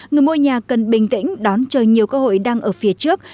người mua nhà cần bình tĩnh đón chờ nhiều cơ hội đang ở phía trước